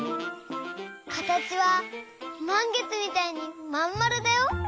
かたちはまんげつみたいにまんまるだよ。